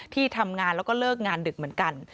ที่ทำงานแล้วก็เลิกงานดึกเหมือนกัน